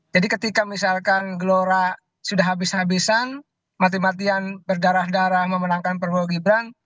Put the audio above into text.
jadi ketika misalkan gelora sudah habis habisan mati matian berdarah darah memenangkan prabowo gibran